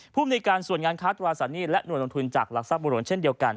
ภูมิในการส่วนงานค้าตราสารหนี้และหน่วยลงทุนจากหลักทรัพย์บุหลวงเช่นเดียวกัน